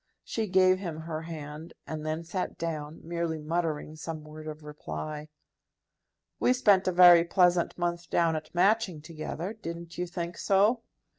She gave him her hand, and then sat down, merely muttering some word of reply. "We spent a very pleasant month down at Matching together; didn't you think so?"